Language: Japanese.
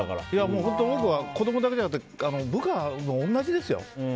本当、僕は子供だけじゃなくて部下も同じですよ。